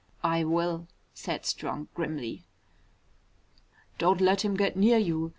"I will," said Strong grimly. "Don't let him get near you.